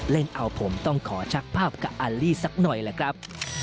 เล่นเอาผมต้องขอชักภาพกับอัลลี่สักหน่อยล่ะครับ